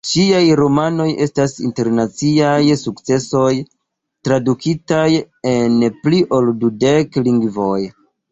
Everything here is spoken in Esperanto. Ŝiaj romanoj estas internaciaj sukcesoj, tradukitaj en pli ol dudek lingvoj.